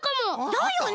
だよね！